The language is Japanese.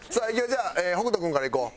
じゃあ北斗君からいこう。